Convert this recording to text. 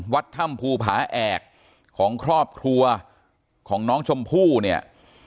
วัดถ้ำภูผาแอกของครอบครัวของน้องชมพู่เนี่ย